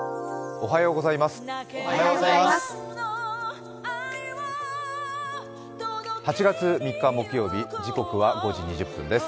おはようございます。